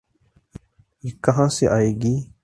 یہ کہاں سے آئے گی؟